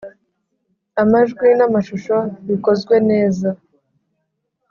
amajwi n amashusho bikozwe nezA